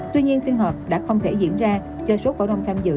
tuy nhiên phiên họp đã không thể diễn ra do số cổ đồng tham dự